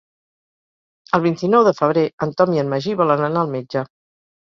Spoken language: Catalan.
El vint-i-nou de febrer en Tom i en Magí volen anar al metge.